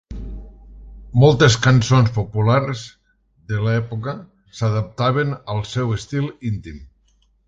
Moltes cançons populars de l'època s'adaptaven al seu estil íntim.